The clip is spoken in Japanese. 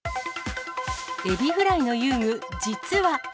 エビフライの遊具、実は。